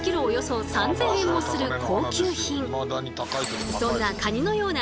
およそ３，０００円もする高級品。